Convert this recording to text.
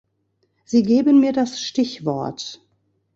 Sie geben mir das Stichwort.